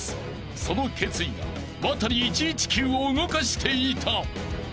［その決意がワタリ１１９を動かしていた］